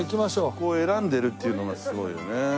ここを選んでるっていうのがすごいよね。